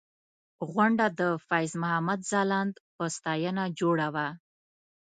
غونډه د فیض محمد ځلاند په ستاینه جوړه وه.